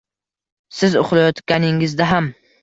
Siz uxlayotganingizda ham